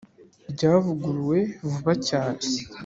ryavuguruwe vuba cyane.